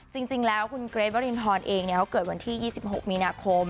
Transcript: จริงแล้วคุณเกรทเวอรินทรเองเนี่ยเขาเกิดวันที่ยี่สิบหกมีนาคม